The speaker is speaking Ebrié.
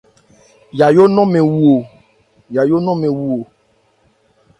Yajó nɔ̂n mɛn wu o.